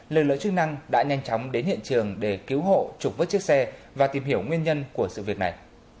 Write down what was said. lời lỡ chức năng đã nhanh chóng đến hiện trường để cứu hộ trục vứt chiếc xe và tìm hiểu nguyên nhân của sự việc này